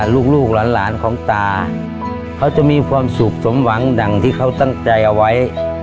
ลูกหลานของตาเขาจะมีความสุขสมหวังดังที่เขาตั้งใจเอาไว้